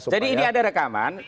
jadi ini ada rekaman